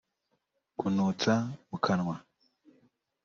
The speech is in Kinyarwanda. kunutsa Mukanwa